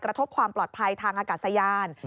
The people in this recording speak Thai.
กระทบความปลอดภัยทางอากาศยาน